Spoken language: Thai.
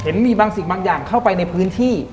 มีบางสิ่งบางอย่างเข้าไปในพื้นที่